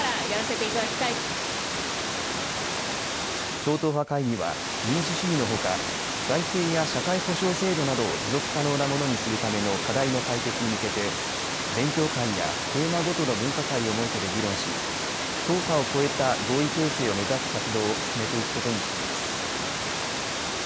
超党派会議は民主主義のほか財政や社会保障制度などを持続可能なものにするための課題の解決に向けて勉強会やテーマごとの分科会を設けて議論し党派を超えた合意形成を目指す活動を進めていくことにしています。